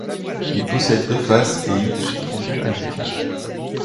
Il possède deux faces et il suspendu à une tige.